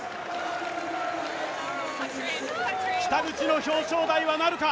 北口の表彰台はなるか。